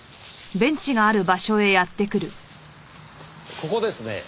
ここですねぇ。